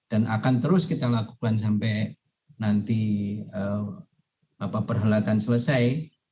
akan terus kita lakukan sampai nanti perhelatan selesai